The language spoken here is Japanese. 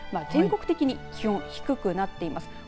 全国的に気温低くなっています。